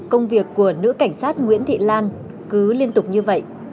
công việc của nữ cảnh sát nguyễn thị lan cứ liên tục như vậy